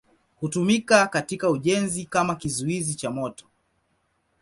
Hutumika katika ujenzi kama kizuizi cha moto.